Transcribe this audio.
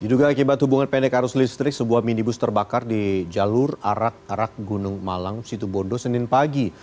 diduga akibat hubungan pendek arus listrik sebuah minibus terbakar di jalur arak arak gunung malang situbondo senin pagi